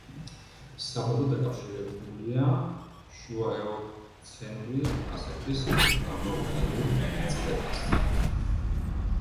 საბადო დაკავშირებულია შუაეოცენური ასაკის ვულკანოგენურ წყებასთან.